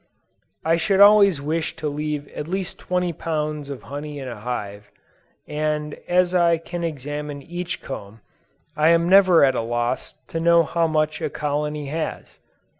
I should always wish to leave at least 20 lbs. of honey in a hive; and as I can examine each comb, I am never at a loss to know how much a colony has.